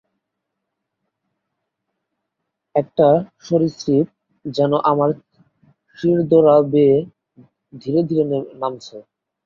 একটা সরীসৃপ যেন আমার শিরদাঁড়া বেয়ে ধীরেধীরে নামছে